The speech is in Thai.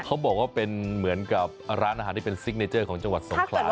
เขาบอกว่าเป็นเหมือนกับร้านอาหารที่เป็นซิกเนเจอร์ของจังหวัดสงขลา